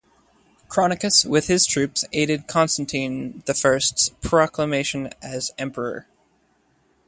Chrocus, with his troops, aided Constantine the First's proclamation as emperor.